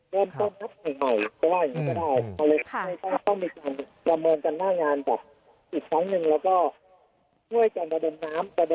เริ่มต้มครับหน่อยเพราะว่าอย่างนี้ก็ได้